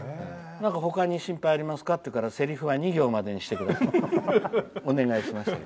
ほかに心配ありますかって言うからせりふは２行までにしてくれってお願いしますと。